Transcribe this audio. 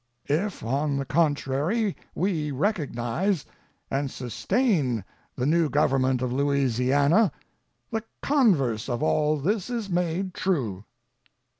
If, on the contrary, we recognize, and sustain the new government of Louisiana the converse of all this is made true.